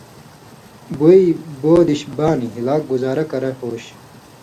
بُوئی بو دِش بانیۡ ہِلاک گُزارہ کرہ ہوش